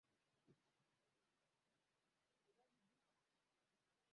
kwa mfano nchi zetu hizi za kiafrika kuna tatizo la rushwa